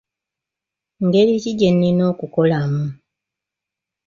Ngeri ki gyennina okukolamu?